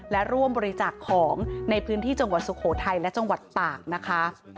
และร่วมบริจาคของในพื้นที่จังหวัดสุโขทัยและจังหวัดตากนะคะ